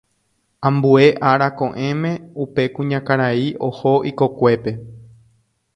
Ambue ára ko'ẽme upe kuñakarai oho ikokuépe.